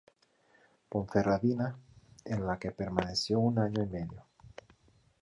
Ponferradina, en la que permaneció un año y medio.